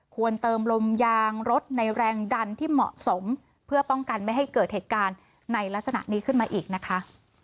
ควรเติมลมยางรถในแรงดันที่เหมาะสมเพื่อป้องกันไม่ให้เกิดเหตุการณ์ในลักษณะนี้ขึ้นมาอีกนะคะ